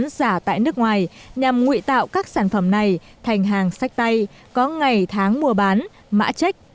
giả tại nước ngoài nhằm ngụy tạo các sản phẩm này thành hàng sách tay có ngày tháng mua bán mã trách